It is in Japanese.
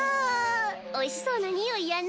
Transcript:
おいしそうな匂いやな。